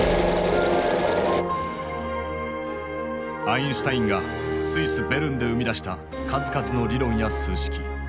アインシュタインがスイス・ベルンで生み出した数々の理論や数式。